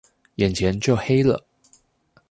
眼前就黑了